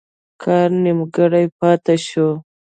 کار نیمګړی پاته شو.